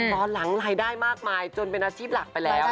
ตอนหลังรายได้มากมายจนเป็นอาชีพหลักไปแล้ว